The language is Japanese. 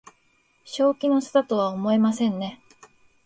正気の沙汰とは思えませんね